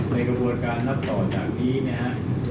ในกระบวนการนับต่อจากนี้นะครับ